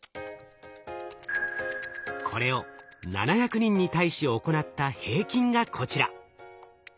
これを７００人に対し行った平均がこちら。